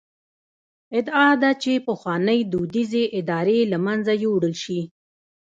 ادعا ده چې پخوانۍ دودیزې ادارې له منځه یووړل شي.